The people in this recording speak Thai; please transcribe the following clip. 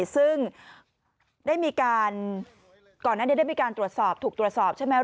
ซึ่งได้มีการก่อนหน้านี้ได้มีการตรวจสอบถูกตรวจสอบใช่ไหม